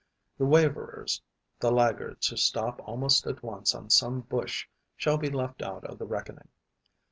The waverers, the laggards who stop almost at once on some bush shall be left out of the reckoning.